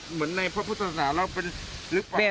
เหมือนในพระพุทธศาสนาเราเป็นหรือเปล่า